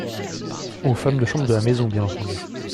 Aux femmes de chambre de la maison, bien entendu !